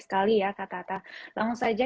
sekali ya kak tata langsung saja